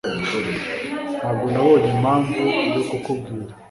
Ntabwo nabonye impamvu yo kukubwira